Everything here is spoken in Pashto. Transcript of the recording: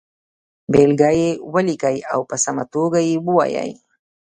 بېلګه یې ولیکئ او په سمه توګه یې ووایئ.